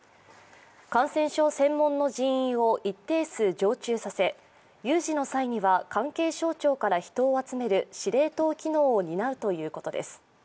感染症専門の人員を一定数常駐させ有事の際には関係省庁から人を集める司令塔機能を担うということです。